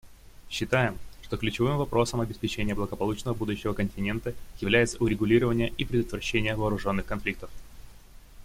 Считаем, что ключевым вопросом обеспечения благополучного будущего континента является урегулирование и предотвращение вооруженных конфликтов.